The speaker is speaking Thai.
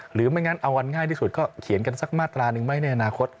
หรือไม่งั้นเอาอันง่ายที่สุดก็เขียนกันสักมาตราหนึ่งไหมในอนาคต